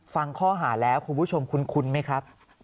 ฟังข้อหาแล้วคุณผู้ชมคุ้นไหมครับ